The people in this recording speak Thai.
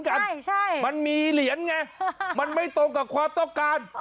ใช่มันมีเหรียญไงมันไม่ตรงกับความต้องการ